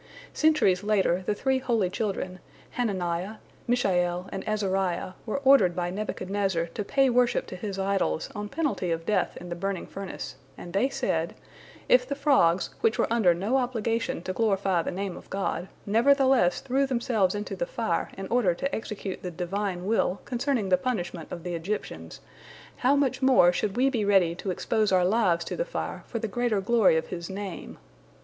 Centuries later, the three holy children, Hananiah, Mishael, and Azariah, were ordered by Nebuchadnezzar to pay worship to his idols on penalty of death in the burning furnace, and they said, "If the frogs, which were under no obligation to glorify the Name of God, nevertheless threw themselves into the fire in order to execute the Divine will concerning the punishment of the Egyptians, how much more should we be ready to expose our lives to the fire for the greater glory of His Name!"